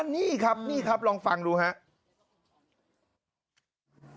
นี่ครับลองฟังดูครับ